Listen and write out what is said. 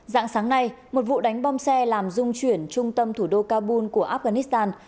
dạng sáng nay một vụ đánh bom xe làm dung chuyển trung tâm thủ đô kabul của afghanistan